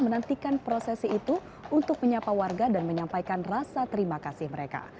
menantikan prosesi itu untuk menyapa warga dan menyampaikan rasa terima kasih mereka